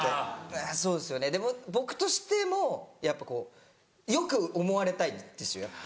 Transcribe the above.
そうですよねでも僕としても良く思われたいんですやっぱり。